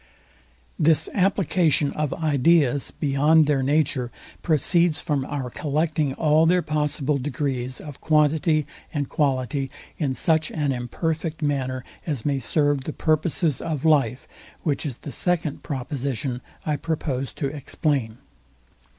This application of ideas beyond their nature proceeds from our collecting all their possible degrees of quantity and quality in such an imperfect manner as may serve the purposes of life, which is the second proposition I proposed to explain.